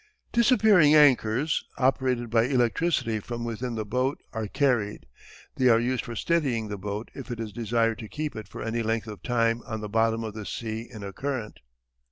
Disappearing anchors, operated by electricity from within the boat, are carried. They are used for steadying the boat if it is desired to keep it for any length of time on the bottom of the sea in a current.